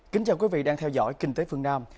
kính chào quý vị đang theo dõi kinh tế phương nam